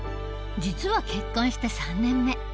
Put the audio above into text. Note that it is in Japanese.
実は結婚して３年目。